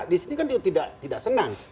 disini kan tidak senang